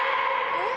えっ？